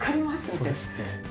そうですね。